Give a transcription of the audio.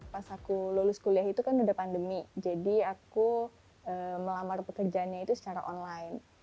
pas aku lulus kuliah itu kan udah pandemi jadi aku melamar pekerjaannya itu secara online